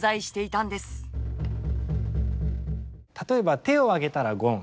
例えば手を上げたらゴン。